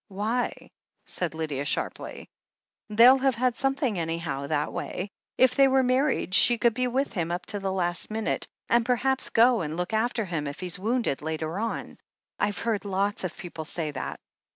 "Why ?" said Lydia sharply. "They'll have had something, anyhow, that way. If they were married, she could be with him up to the last minute, and perhaps go and look after him if he's wotmded later on. I've heard lots of people say that.